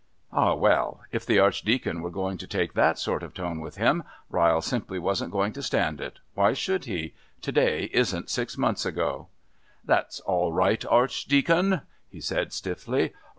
Oh, well! if the Archdeacon were going to take that sort of tone with him, Ryle simply wasn't going to stand it! Why should he? To day isn't six months ago. "That's all right, Archdeacon," he said stiffly.